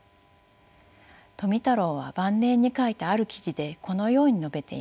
富太郎は晩年に書いたある記事でこのように述べています。